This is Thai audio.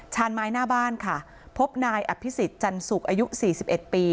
ชานไม้หน้าบ้านค่ะพบนายอภิษฎจันสุกอายุสี่สิบเอ็ดปี